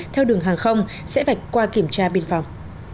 theo đường hàng không sẽ vạch qua kiểm tra biên phòng